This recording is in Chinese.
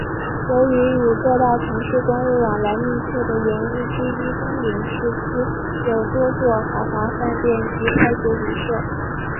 由于与各大城市公务往来密切的原因之一东营市区有多座豪华饭店及快捷旅舍。